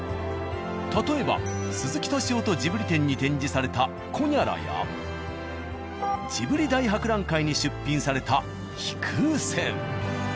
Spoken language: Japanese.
例えば「鈴木敏夫とジブリ展」に展示されたコニャラや「ジブリの大博覧会」に出品された飛空船。